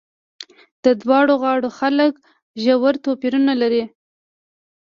د دواړو غاړو خلک ژور توپیرونه لري.